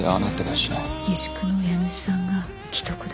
下宿の家主さんが危篤だって。